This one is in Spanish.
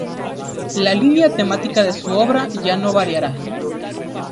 La línea temática de su obra ya no variará.